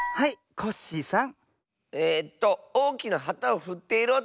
コッシーさん